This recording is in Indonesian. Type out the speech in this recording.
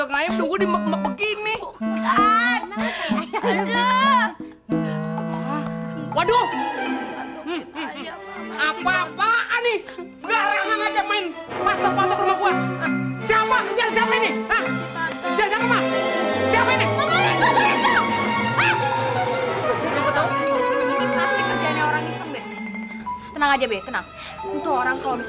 nama gua kok ditantai